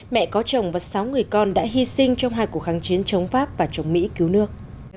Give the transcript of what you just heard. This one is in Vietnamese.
mẹ có chồng và sáu người con đã hy sinh trong hai cuộc kháng chiến chống pháp và chống mỹ cứu nước